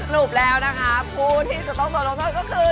รูปแล้วนะคะภูที่สุดต้องสดลงชนก็คือ